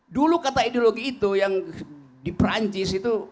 dulu kata ideologi itu yang di perancis itu